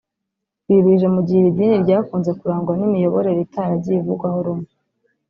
Ibi bije mu gihe iri dini ryakunze kurangwa n’imiyoborere itaragiye ivugwaho rumwe